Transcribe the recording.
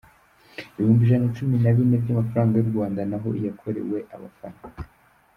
ibihumbi ijana na cumi na bine Frw naho iyakorewe abafana